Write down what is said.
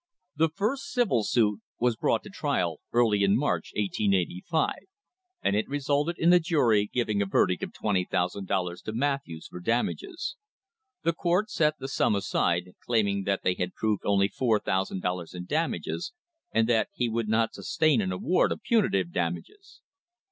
The first civil suit was brought to trial early in March, 1885, and it resulted in the jury giving a verdict of $20,000 to Matthews for damages. The court set the sum aside, claim ing that they had proved only $4,000 in damages and that he would not sustain an award of punitive damages.